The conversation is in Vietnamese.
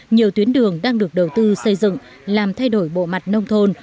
nhiều tuyến đường đang được đầu tư xây dựng làm thay đổi bộ mặt nông thôn